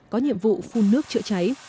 có nhiệm vụ phun nước chữa cháy